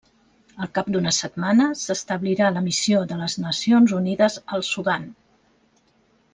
Al cap d'una setmana, s'establirà la Missió de les Nacions Unides al Sudan.